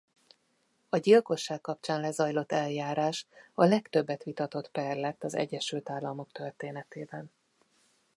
A gyilkosság kapcsán lezajlott eljárás a legtöbbet vitatott per lett az Egyesült Államok történetében.